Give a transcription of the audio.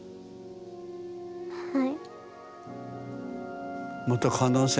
はい。